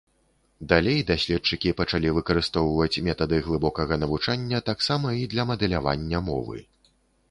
Далей даследчыкі пачалі выкарыстоўваць метады глыбокага навучання таксама і для мадэлявання мовы.